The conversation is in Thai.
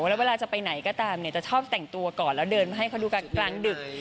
แล้วเวลาจะไปไหนก็ตามจะชอบแต่งตัวก่อนแล้วเดินมาให้เขาดูกันกลางดึก